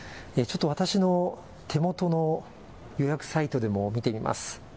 私の手元の予約サイトでも見てみます。